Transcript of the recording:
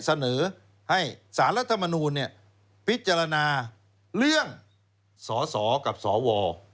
เสนอให้สารรัฐมนูลพิจารณาเรื่องสสกับสว